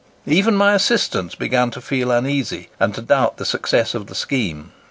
Even my assistants began to feel uneasy, and to doubt of the success of the scheme.